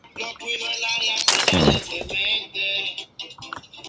Como el resto de la alta nobleza flamenca, se opuso al cardenal Granvela.